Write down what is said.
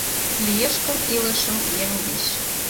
Лиеш гын, илышым еҥ деч